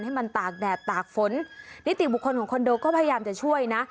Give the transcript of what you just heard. ให้มันตากแดดตากฝนนิติบุคคลของคอนโดก็พยายามจะช่วยนะ